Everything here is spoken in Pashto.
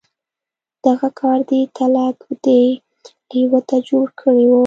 دغه کار دی تلک دې لېوه ته جوړ کړی و.